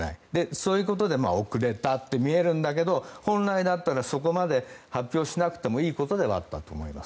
そういうことで遅れたと見えるんだけど本来だったらそこまで発表しなくてもいいことではあったと思います。